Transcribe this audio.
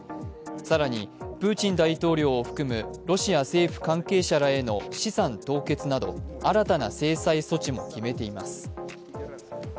更にプーチン大統領を含むロシア政府関係者らへの資産凍結など新たな制裁措置も決めています。